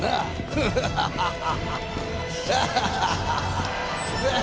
アハハハハ。